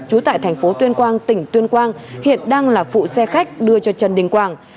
trú tại thành phố tuyên quang tỉnh tuyên quang hiện đang là phụ xe khách đưa cho trần đình quảng